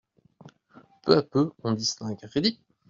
Peu à peu, on distingue :" Ready !…